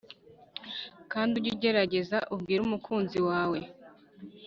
kandi ujye ugerageza ubwire umukunzi wawe